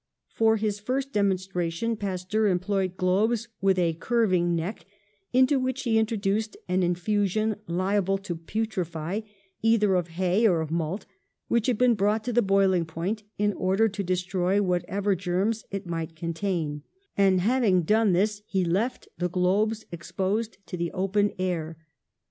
For his first demonstration Pasteur em4Dloyed globes with a curving neck, into which he in troduced an infusion liable to putrefy, either of hay or of malt, which had been brought to the boiling point in order to destroy whatever germs it might contain ; and, having done this, he left the globes exposed to the open air.